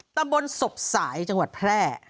ตำบลศพสายจังหวัดแพร่